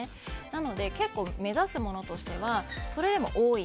なので、結構目指すものとしてはそれでも多い。